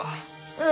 うん。